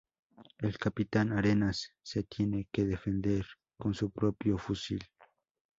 El capitán Arenas se tiene que defender con su propio fusil.